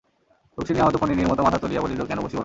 রুক্মিণী আহত ফণিনীর মতো মাথা তুলিয়া বলিল, কেন বসিব না?